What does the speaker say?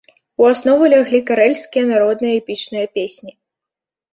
У аснову ляглі карэльскія народныя эпічныя песні.